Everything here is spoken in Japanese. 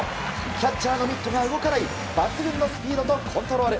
キャッチャーのミットが動かない抜群のスピードとコントロール！